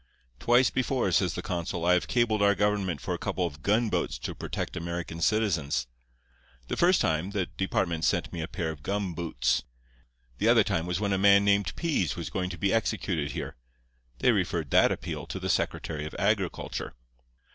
Twice before,' says the consul, 'I have cabled our government for a couple of gunboats to protect American citizens. The first time the Department sent me a pair of gum boots. The other time was when a man named Pease was going to be executed here. They referred that appeal to the Secretary of Agriculture.